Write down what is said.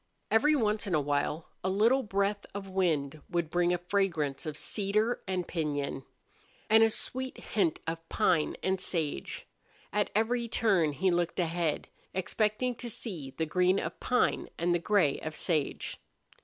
Every once in a while a little breath of wind would bring a fragrance of cedar and piñon, and a sweet hint of pine and sage. At every turn he looked ahead, expecting to see the green of pine and the gray of sage.